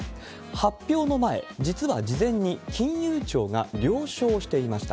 発表の前、実は事前に金融庁が了承していました。